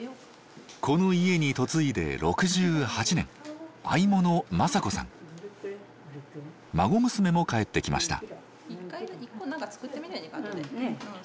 この家に嫁いで６８年孫娘も帰ってきました。